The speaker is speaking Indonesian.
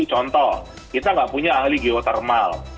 contoh kita nggak punya ahli geothermal